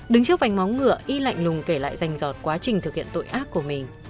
đứng trước vành móng ngựa y lạnh lùng kể lại rành giọt quá trình thực hiện tội ác của mình